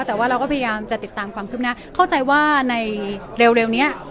แต่ว่าเราก็พยายามจะติดตามความคืบหน้าเข้าใจว่าในเร็วเนี้ย